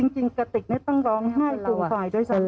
จริงกะติกเนี่ยต้องร้องไห้ปลูกฝ่ายด้วยสักครั้ง